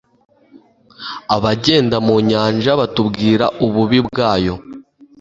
abagenda mu nyanja batubwira ububi bwayo